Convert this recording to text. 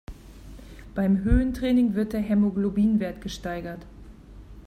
Beim Höhentraining wird der Hämoglobinwert gesteigert.